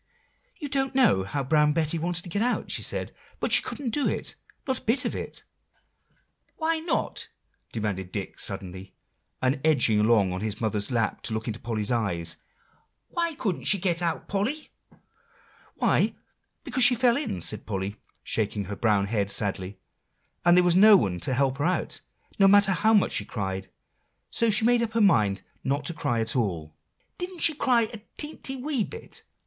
"You don't know how Brown Betty wanted to get out," she said; "but she couldn't do it, not a bit of it." "Why not?" demanded Dick suddenly, and edging along on his mother's lap to look into Polly's eyes. "Why couldn't she get out, Polly?" "Why, because she fell in," said Polly, shaking her brown head sadly, "and there was no one to help her out, no matter how much she cried; so she made up her mind not to cry at all." "Didn't she cry a teenty, wee bit?"